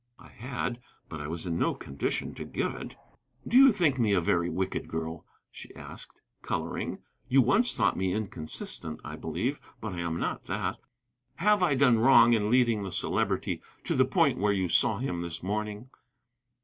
I had. But I was in no condition to give it. "Do you think me a very wicked girl?" she asked, coloring. "You once thought me inconsistent, I believe, but I am not that. Have I done wrong in leading the Celebrity to the point where you saw him this morning?"